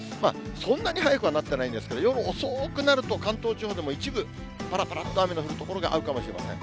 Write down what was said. そんなに早くはなってないんですけれども、夜遅くになると、関東地方でも一部、ぱらぱらっと雨の降る所があるかもしれません。